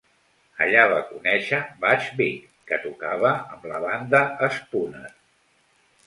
Allà va conèixer Butch Vig, que tocava amb la banda Spooner.